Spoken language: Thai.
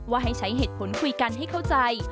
ให้ใช้เหตุผลคุยกันให้เข้าใจ